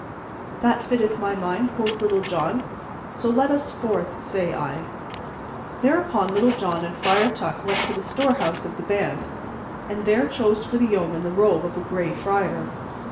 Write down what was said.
"That fitteth my mind," quoth Little John, "so let us forth, say I." Thereupon Little John and Friar Tuck went to the storehouse of the band, and there chose for the yeoman the robe of a Gray Friar.